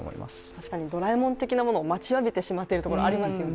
確かに「ドラえもん」的なものを待ちわびてしまっているところがありますよね。